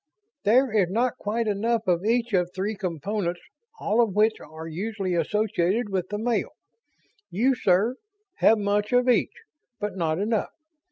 "There is not quite enough of each of three components, all of which are usually associated with the male. You, sir, have much of each, but not enough.